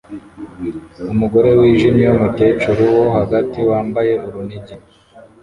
Umugore wijimye wumukecuru wo hagati wambaye urunigi